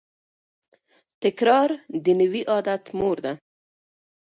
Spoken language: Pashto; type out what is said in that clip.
تکرار د نوي عادت مور ده.